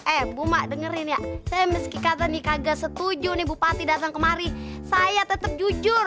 eh bu mak dengerin ya saya meski kata nika setuju nih bupati datang kemari saya tetap jujur